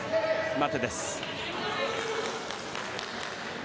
待てです。